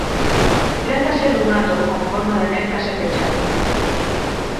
Trátase dun atol con forma de anel case pechado.